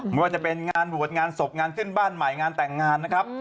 ไม่ว่าจะเป็นงานบวชงานศพงานขึ้นบ้านใหม่งานแต่งงานนะครับ